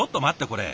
これ。